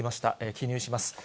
記入します。